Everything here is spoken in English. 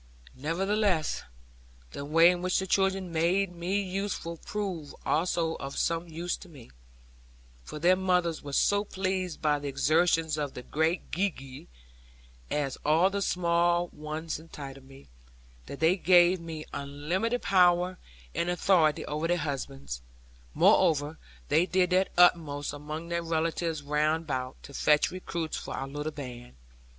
Nevertheless, the way in which the children made me useful proved also of some use to me; for their mothers were so pleased by the exertions of the 'great Gee gee' as all the small ones entitled me that they gave me unlimited power and authority over their husbands; moreover, they did their utmost among their relatives round about, to fetch recruits for our little band.